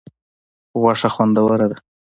غوښه خوندوره ده.